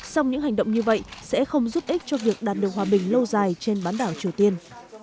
song những hành động như vậy sẽ không giúp ích cho việc đạt được hòa bình lâu dài trên bán đảo triều tiên